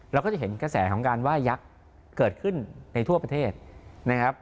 เราก็จะเห็นกระแสของการว่ายักษ์เกิดขึ้นในทั่วประเทศนะครับ